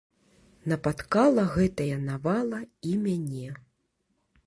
Напаткала гэтая навала і мяне.